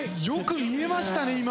よく見えましたね